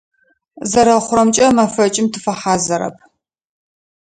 Зэрэхъурэмкӏэ, мэфэкӏым тыфэхьазырэп.